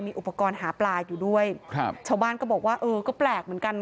อุปกรณ์หาปลาอยู่ด้วยครับชาวบ้านก็บอกว่าเออก็แปลกเหมือนกัน